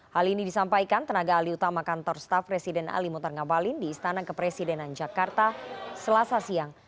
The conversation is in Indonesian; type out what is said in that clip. hal ini disampaikan tenaga alih utama kantor staff presiden ali mutar ngabalin di istana kepresidenan jakarta selasa siang